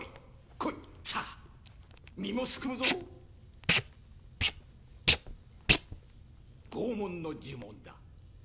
来いさあ身もすくむぞ拷問の呪文だ